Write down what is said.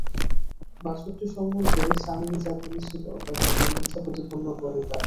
বাছুরটি সম্বন্ধে সামিরী যা বলেছিল, তাকে তারা মিথ্যা প্রতিপন্ন করে তার।